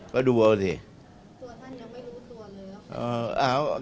ก็ดูเอาสิ